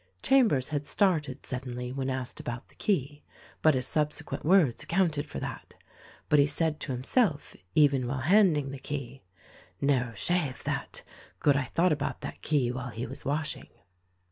Chambers had started suddenly when asked about the key; but his subsequent words accounted for that — but he said to him self, even while handing the key, "Narrow shave, that! Good I thought about that key while he was washing."